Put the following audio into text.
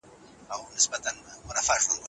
تۀ مرور مرور ګرځه